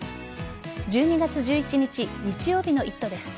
１２月１１日日曜日の「イット！」です。